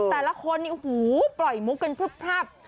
แต่ละคนเนี่ยโหปล่อยมุกกันพรุ่บ